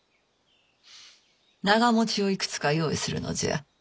長持をいくつか用意するのじゃ。